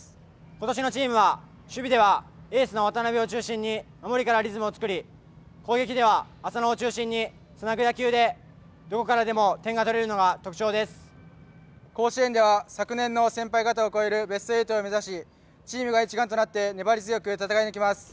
今年のチームは守備ではエースの渡辺を中心に守りからリズムを作り、攻撃では浅野を中心につなぐ野球でどこからでも甲子園では昨年の先輩方を超えるベスト８を目指しチームが一丸となって粘り強く戦抜きます。